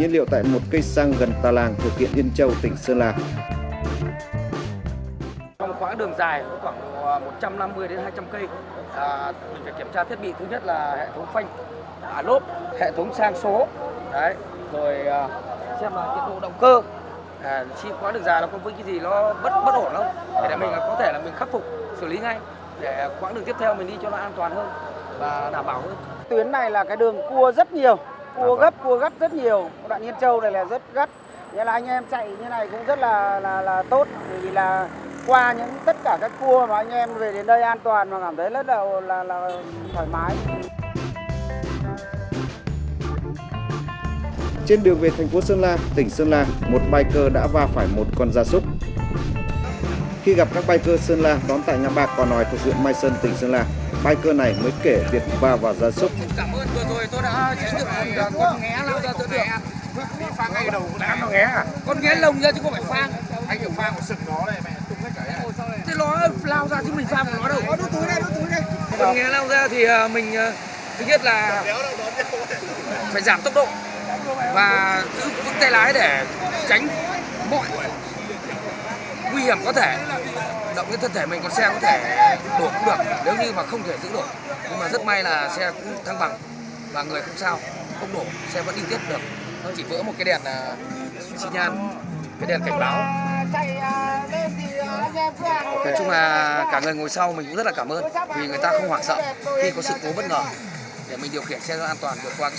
vì người ta không hoảng sợ khi có sự cố bất ngờ để mình điều khiển xe an toàn vượt qua các sự cố đoạn